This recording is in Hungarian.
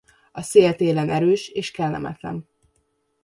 A szél télen erős és kellemetlen.